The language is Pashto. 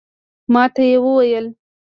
ماته یې وویل